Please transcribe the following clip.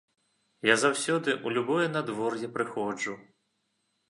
Я заўсёды, у любое надвор'е прыходжу.